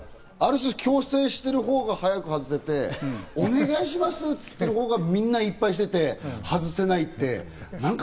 強制してるほうが早く外せて、お願いしますって言ってるほうがみんないっぱいしていて外せない。